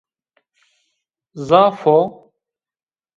Zaf o!